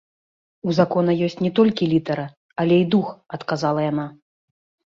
У закона ёсць не толькі літара, але і дух, адказала яна.